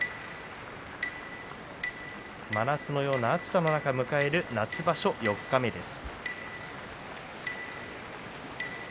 真夏のような暑さの中、迎える夏場所四日目です。